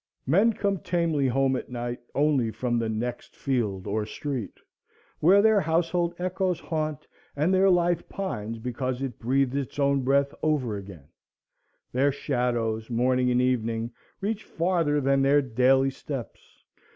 Men come tamely home at night only from the next field or street, where their household echoes haunt, and their life pines because it breathes its own breath over again; their shadows morning and evening reach farther than their daily steps.